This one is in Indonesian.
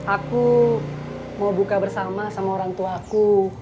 aku mau ke rumah orangtuaku